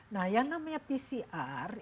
nah yang namanya pcr